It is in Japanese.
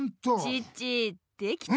チッチできた？